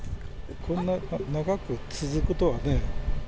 こんな長く続くとはね。